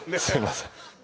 すいません